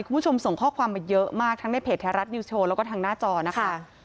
คุณผู้ชมส่งข้อความมาเยอะมากทั้งในเพจไทยรัฐนิวโชว์แล้วก็ทางหน้าจอนะคะ